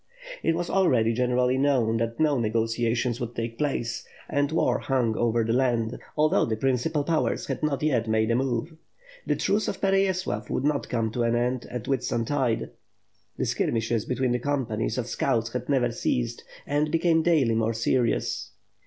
It was already generally known that no negotiations would take place, and war hung over the land; although the principal powers had not yet made a move. The truce of Pereyaslav would not come to an end at Whitsuntide; the skirmishes between the companies of scouts had never ceased, and became daily more serious.